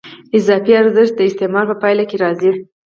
اضافي ارزښت د استثمار په پایله کې راځي